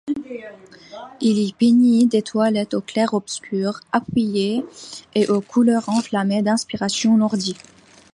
Il y peignit des toiles aux clairs-obscurs appuyés et aux couleurs enflammées d'inspiration nordiques.